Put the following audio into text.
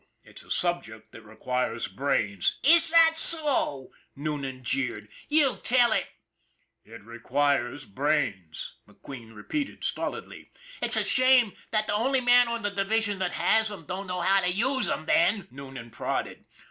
It's a subject that requires brains." " Is that so! " Noonan jeered. " You tell it! " McQUEEN'S HOBBY 281 "It requires brains/' McQueen repeated stolidly. " It's a shame that the only man on the division that has 'em, don't know how to use 'em, then," Noonan prodded.